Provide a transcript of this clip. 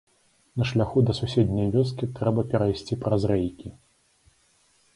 На шляху да суседняй вёскі трэба перайсці праз рэйкі.